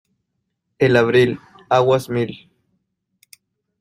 El abril, aguas mil